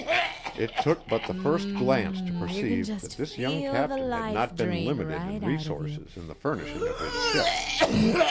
It took but the first glance to perceive that this young captain had not been limited in resources in the furnishing of his ship.